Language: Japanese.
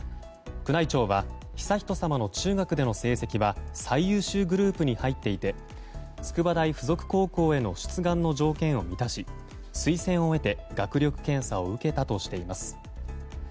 宮内庁は悠仁さまの中学での成績は最優秀グループに入っていて筑波大附属高校への出願の条件を満たし推薦を得て学力検査を受けたとしています。